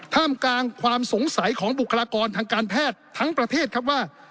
ท่ามกลางความสงสัยของบุคลากรทางการแพทย์ทั้งประเทศครับว่า